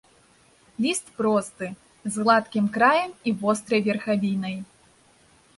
Ліст просты, з гладкім краем і вострай верхавінай.